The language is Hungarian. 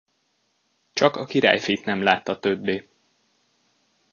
Csak a királyfit nem látta többé.